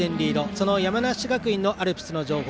その山梨学院のアルプスの情報